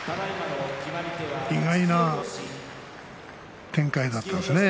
意外な展開だったですね。